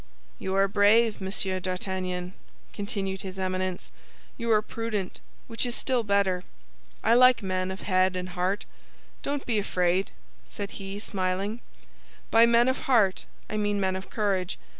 "You are brave, Monsieur d'Artagnan," continued his Eminence; "you are prudent, which is still better. I like men of head and heart. Don't be afraid," said he, smiling. "By men of heart I mean men of courage.